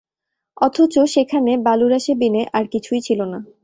অথচ সেখানে বালুরাশি বিনে আর কিছুই ছিল না।